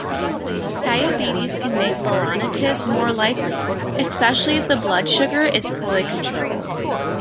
Diabetes can make balanitis more likely, especially if the blood sugar is poorly controlled.